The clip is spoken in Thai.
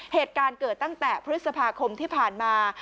เหตุการณ์เกิดตั้งแต่พฤษภาคมที่ผ่านมา